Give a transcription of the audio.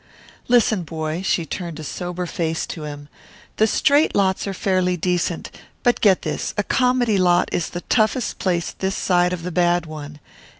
"Listen, boy " She turned a sober face to him "the straight lots are fairly decent, but get this: a comedy lot is the toughest place this side of the bad one.